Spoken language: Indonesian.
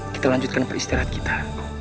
kita lanjutkan peristirahat kita